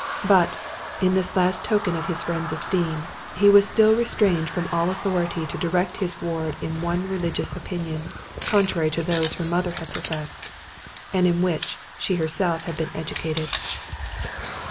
But, in this last token of his friend's esteem, he still was restrained from all authority to direct his ward in one religious opinion, contrary to those her mother had professed, and in which she herself had been educated.